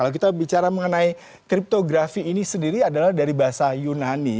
kalau kita bicara mengenai kriptografi ini sendiri adalah dari bahasa yunani